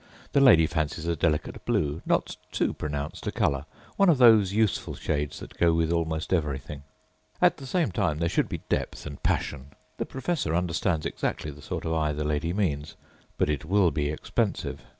The lady fancies a delicate blue, not too pronounced a colourâone of those useful shades that go with almost everything. At the same time there should be depth and passion. The professor understands exactly the sort of eye the lady means. But it will be expensive.